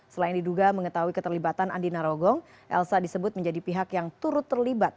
selain diduga mengetahui keterlibatan andi narogong elsa disebut menjadi pihak yang turut terlibat